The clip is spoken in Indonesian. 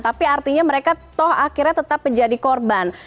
tapi artinya mereka toh akhirnya tetap menjadi korban